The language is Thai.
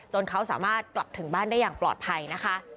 เขาสามารถกลับถึงบ้านได้อย่างปลอดภัยนะคะ